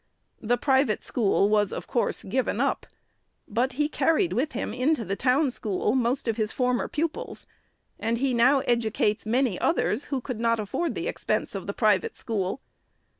The private school was, of course, given up ; but he carried with him, into the town school, most of his former pupils. And he now educates many others, who could not afford the expense of the private school.